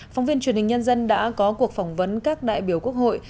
phóng viên truyền hình nhân dân đã có cuộc phỏng vấn các đại biểu quốc hội